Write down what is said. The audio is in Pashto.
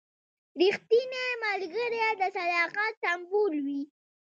رښتینی ملګری د صداقت سمبول وي.